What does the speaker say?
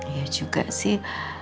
iya juga sih